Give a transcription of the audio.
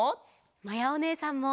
まやおねえさんも！